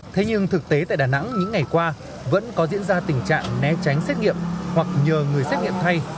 thế nhưng thực tế tại đà nẵng những ngày qua vẫn có diễn ra tình trạng né tránh xét nghiệm hoặc nhờ người xét nghiệm thay